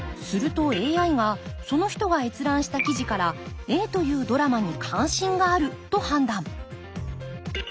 するとＡＩがその人が閲覧した記事からＡというドラマに関心があると判断。